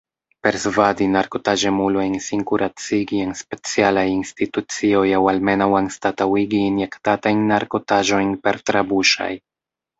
Persvadi narkotaĵemulojn sin kuracigi en specialaj institucioj aŭ almenaŭ anstataŭigi injektatajn narkotaĵojn per trabuŝaj.